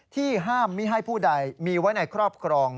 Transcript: ที่ห้ามไม่ให้ผู้ใดมีไว้ในครอบครอง